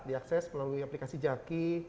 diakses melalui aplikasi jaki